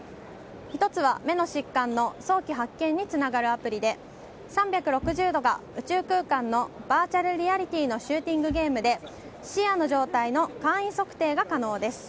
１つは目の疾患の早期発見につながるアプリで３６０度が宇宙空間のバーチャルリアリティーのシューティングゲームで視野の状態の簡易測定が可能です。